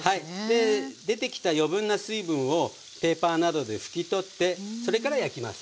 で出てきた余分な水分をペーパーなどで拭き取ってそれから焼きます。